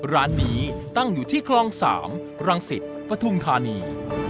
ร้านนี้ตั้งอยู่ที่คลอง๓รังสิตปฐุมธานี